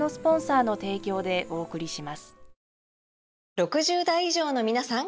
６０代以上のみなさん！